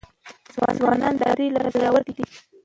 ځوانان د ازادۍ لپاره زړه ور دي.